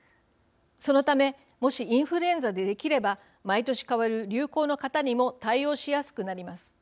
そのため、もしインフルエンザでできれば毎年変わる流行の型にも対応しやすくなります。